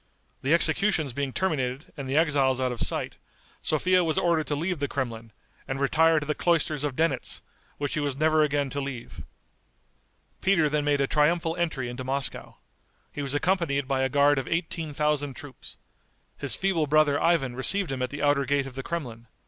The executions being terminated and the exiles out of sight, Sophia was ordered to leave the Kremlin, and retire to the cloisters of Denitz, which she was never again to leave. Peter then made a triumphal entry into Moscow. He was accompanied by a guard of eighteen thousand troops. His feeble brother Ivan received him at the outer gate of the Kremlin.